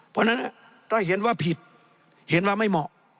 เพราะฉะนั้นถ้าเห็นว่าผิดเห็นว่าไม่เหมาะ